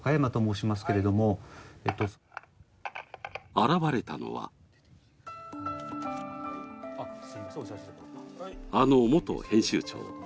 現れたのは、あの元編集長。